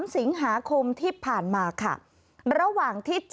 ๑๓สิงหาคมที่ผ่านมาค่ะ